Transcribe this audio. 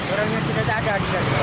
orangnya sudah tak ada